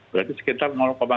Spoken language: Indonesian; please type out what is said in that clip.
berarti sekitar satu